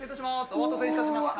お待たせいたしました。